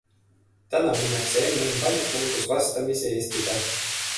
Täna minnakse MM-valikmängus vastamisi Eestiga.